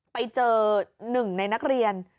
ไปเจอหนึ่งในนักเรียน